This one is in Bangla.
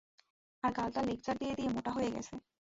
আর গালটা লেকচার দিয়ে দিয়ে মোটা হয়ে গেছে।